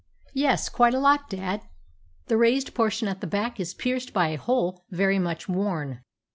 "Yes, quite a lot, dad. The raised portion at the back is pierced by a hole very much worn."